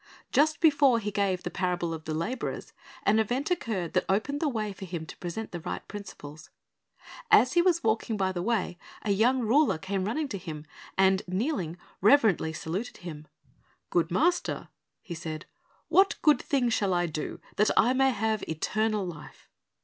Just before He gave the parable of the laborers, an event occurred that opened the way for Him to present the right principles. As He was walking by the way, a young ruler came running to Him, and kneeling, reverently saluted Him. "Good Master," he said, "what good thing shall I do, that I may have eternal life?"